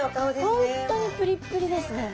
本当にプリプリですね。